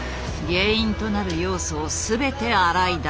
原因となる要素を全て洗い出す。